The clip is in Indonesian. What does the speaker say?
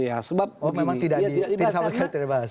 oh memang tidak sama sekali tidak dibahas